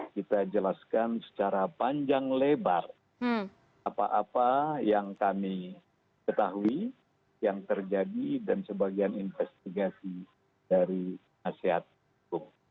kita jelaskan secara panjang lebar apa apa yang kami ketahui yang terjadi dan sebagian investigasi dari nasihat hukum